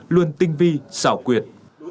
luôn tinh vi xảo quyệt